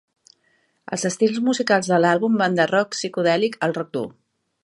Els estils musicals de l'àlbum van del rock psicodèlic al rock dur.